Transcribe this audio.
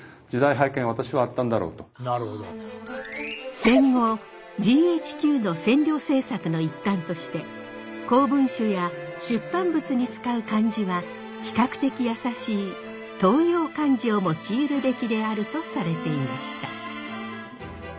戦後ＧＨＱの占領政策の一環として公文書や出版物に使う漢字は比較的易しい当用漢字を用いるべきであるとされていました。